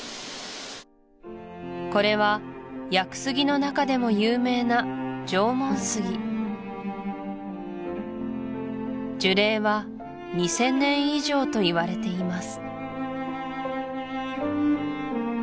これは屋久杉のなかでも有名な縄文杉樹齢は２０００年以上といわれています